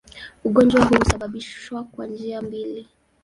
Ugonjwa huu husababishwa kwa njia mbili.